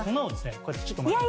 こうやってちょっとまきます。